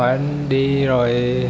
anh đi rồi